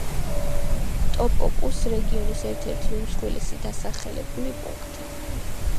ტოჰოკუს რეგიონის ერთ-ერთი უმსხვილესი დასახლებული პუნქტი.